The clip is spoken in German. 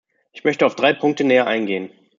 Ich möchte auf drei Punkte näher eingehen.